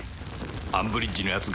アンブリッジのやつ